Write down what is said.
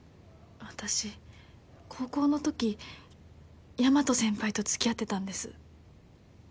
私高校のとき大和先輩と付き合ってたんです